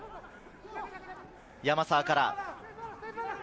山沢から。